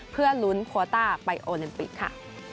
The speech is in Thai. เพื่อลุ้นโควต้าไปโอลิมปิกค่ะ